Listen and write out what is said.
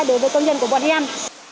đối với công nhân của bọn em